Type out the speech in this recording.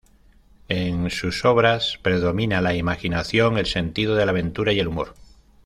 En sus obras predomina la imaginación, el sentido de la aventura y el humor.